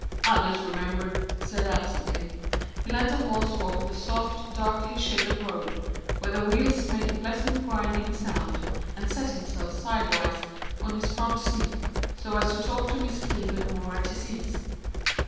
"I disremember," he said absently. He let the horses walk on the soft, darkly shaded road, where the wheels made a pleasant grinding sound, and set himself sidewise on his front seat, so as to talk to Miss Kilburn more at his ease.